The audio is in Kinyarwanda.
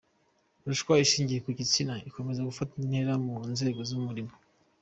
Ruswa ishingiye ku gitsina ikomeje gufata indi ntera mu nzego z’umurimo